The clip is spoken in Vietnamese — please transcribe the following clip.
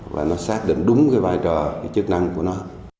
và nó xác định đúng cái vai trò cái chức năng của nó